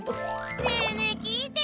ねえねえ聞いてよ。